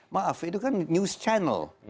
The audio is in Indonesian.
maaf itu kan news channel